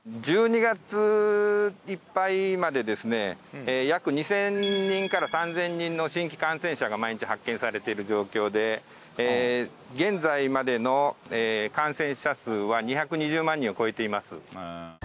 １２月いっぱいまでですね約２，０００人から３，０００人の新規感染者が毎日発見されている状況で現在までの感染者数は２２０万人を超えています。